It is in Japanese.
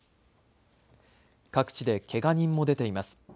各地でけが人も出ています。